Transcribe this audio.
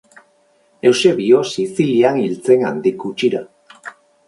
Eusebio Sizilian hil zen handik gutxira.